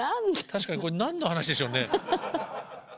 確かにこれ何の話でしょうね？